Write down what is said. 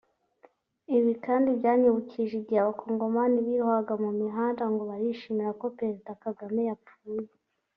Ibi kandi byanyibukije igihe abacongomani biroha mumihanda ngo barishima ko Perezida Kagame yapfuye